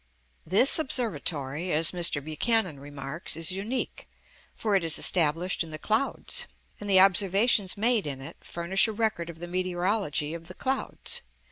This Observatory, as Mr. Buchanan remarks, is unique, for it is established in the clouds; and the observations made in it furnish a record of the meteorology of the clouds.